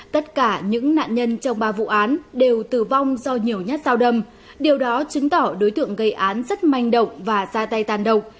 tất cả những nạn nhân trong ba vụ án đều tử vong do nhiều nhát dao đâm điều đó chứng tỏ đối tượng gây án rất manh động và ra tay tàn động